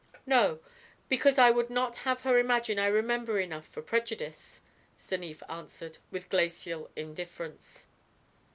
"No; because I would not have her imagine I remember enough for prejudice," Stanief answered, with glacial indifference.